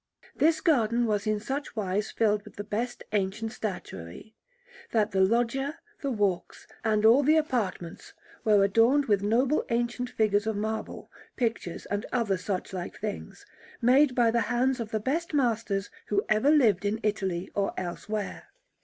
This garden was in such wise filled with the best ancient statuary, that the loggia, the walks, and all the apartments were adorned with noble ancient figures of marble, pictures, and other suchlike things, made by the hands of the best masters who ever lived in Italy or elsewhere.